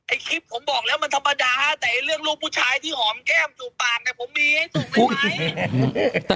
คลิปผมบอกแล้วมันธรรมดาแต่เรื่องลูกผู้ชายที่หอมแก้มสู่ปากเนี่ยผมมีให้ถูกไหม